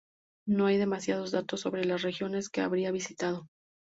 No hay demasiados datos sobre las regiones que habría visitado.